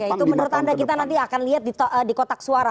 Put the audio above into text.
itu menurut anda kita nanti akan lihat di kotak suara